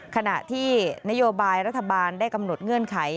ขณะที่นโยบายรัฐบาลได้กำหนดเงื่อนไข